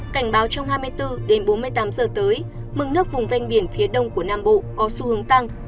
cảnh báo trong hai mươi bốn bốn mươi tám giờ tới mực nước vùng ven biển phía đông của nam bộ có xu hướng tăng